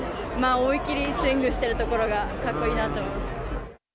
思いっ切りスイングしているところがかっこいいなと思いました。